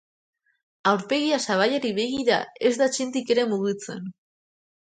Aurpegia sabaiari begira, ez da txintik ere mugitzen.